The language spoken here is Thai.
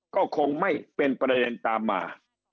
ก็คงไม่เป็นประเด็นตามมา